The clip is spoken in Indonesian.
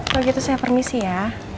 kalau gitu saya permisi ya